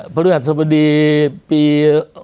พระฤาษฎสบดีปี๖๕